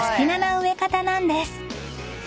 植え方なんです］